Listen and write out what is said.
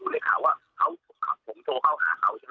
มีแท็กที่เขาช้าสอยน้องชายผมแต่เขาบุคเข้ามาในจรีย์